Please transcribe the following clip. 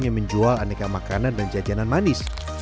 yang menjual aneka makanan dan jajanan manis